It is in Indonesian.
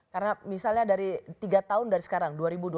karena misalnya dari tiga tahun dari sekarang dua ribu dua puluh empat